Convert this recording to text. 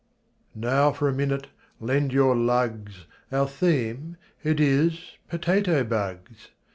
Now for a minute, lend your luggs, Our theme, it is potato bugs.